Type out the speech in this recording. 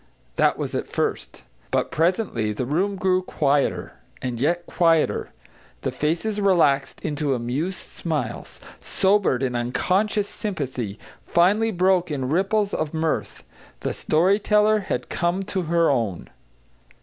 That was at first. But presently the room grew quieter; and yet quieter. The faces relaxed into amused smiles, sobered in unconscious sympathy, finally broke in ripples of mirth. The story teller had come to her own.